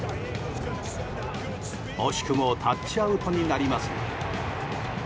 惜しくもタッチアウトになりますが。